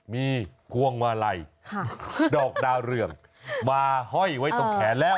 มีพวงมาลัยดอกดาวเรืองมาห้อยไว้ตรงแขนแล้ว